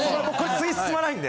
次進まないんで。